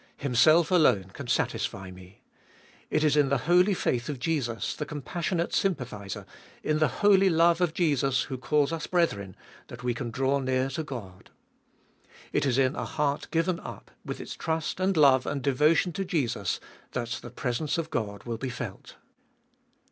Himself alone can satisfy me. It is In the holy faith of Jesus, the compassionate sympathiser, in the holy love of Jesus who calls us brethren, that we can draw near to God. It is in a heart given up, with its trust and love and devotion to Jesus, that the presence of God will be felt.